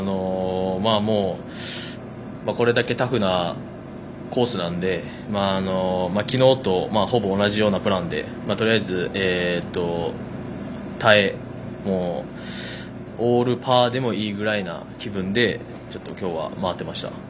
これだけタフなコースなので昨日とほぼ同じようなプランでとりあえず耐え、オールパーでもいいくらいの気分で今日は回ってました。